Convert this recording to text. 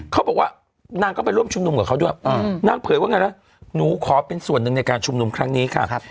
เขาบอกว่านางก็ไปร่วมชุมนุมกับเขาด้วยนางเผยว่าไงนะหนูขอเป็นส่วนหนึ่งในการชุมนุมครั้งนี้ค่ะ